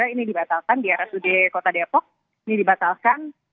ini dibatalkan di rsud kota depok ini dibatalkan